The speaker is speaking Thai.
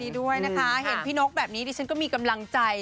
เห็นพี่นกแบบนี้ฉันก็มีกำลังใจ